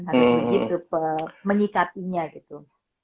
harus begitu menyikapinya gitu